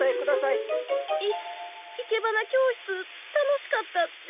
い生け花教室楽しかったです。